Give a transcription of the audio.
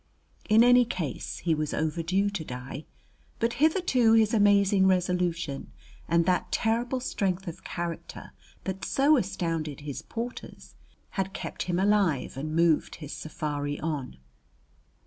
In any case he was overdue to die, but hitherto his amazing resolution, and that terrible strength of character that so astounded his porters, had kept him alive and moved his safari on.